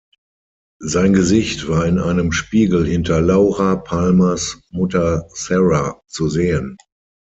Sein Gesicht war in einem Spiegel hinter Laura Palmers Mutter Sarah zu sehen.